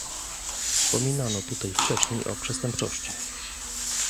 Wspominano tutaj wcześniej o przestępczości